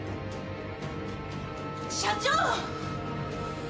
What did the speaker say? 社長！